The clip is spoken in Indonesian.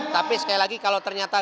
tapi sekali lagi kalau ternyata